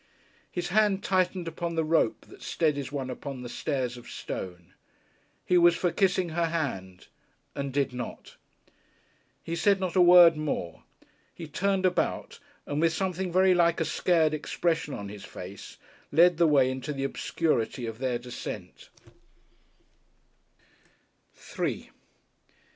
His hand tightened upon the rope that steadies one upon the stairs of stone. He was for kissing her hand and did not. He said not a word more. He turned about, and with something very like a scared expression on his face led the way into the obscurity of their descent.